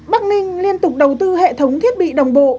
bắc ninh liên tục đầu tư hệ thống thiết bị đồng bộ